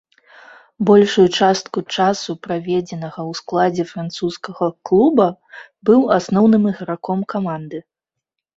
Большую частку часу, праведзенага ў складзе французскага клуба, быў асноўным іграком каманды.